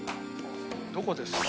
「どこですか？」